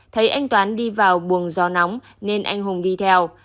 thấy anh toán đi vào buồng gió nóng nên anh hùng đi theo